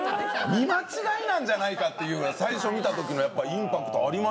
見間違いなんじゃないかっていうぐらい最初見た時のインパクトありましたよ。